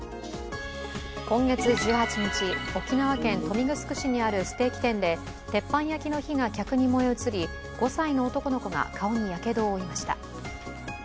今月１８日、沖縄県豊見城市にあるステーキ店で、鉄板焼きの火が客に燃え移り、５歳の男の子が顔にやけどを負いました